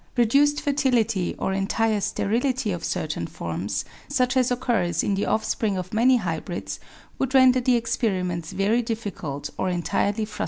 Reduced fertility or entire sterility of cer tain forms, such as occurs in the offspring of many hybrids, would render the experiments very difficult or entirely frustrate them.